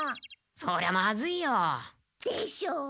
そりゃまずいよ。でしょ？